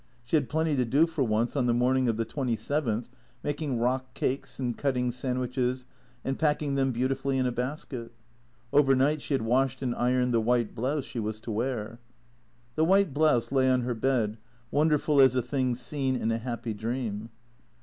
She had plenty to do for once on the morning of the twenty seventh, making rock cakes and cutting sandwiches and packing them beautifully in a basket. Over night she had washed and ironed the white blouse she was to wear. The white blouse lay on her bed, wonderful as a thing seen in a happy dream.